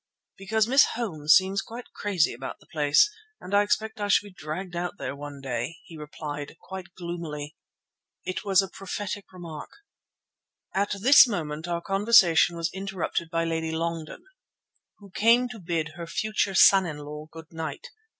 "Because Miss Holmes seems quite crazy about the place, and I expect I shall be dragged out there one day," he replied, quite gloomily. It was a prophetic remark. At this moment our conversation was interrupted by Lady Longden, who came to bid her future son in law good night.